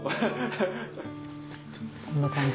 こんな感じ。